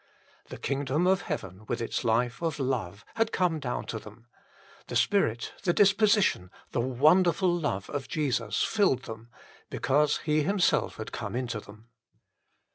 The kingdom of heaven with its life of love had come down to them. The spirit, the disposition, the wonderful love of Jesus, filled them, because He Himself had come into them.